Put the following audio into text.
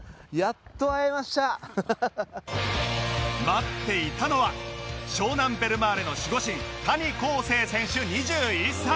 待っていたのは湘南ベルマーレの守護神谷晃生選手２１歳